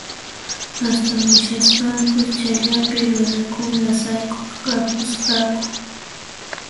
Astamushaspankus chayllapi runakuna sayk'urqapusqaku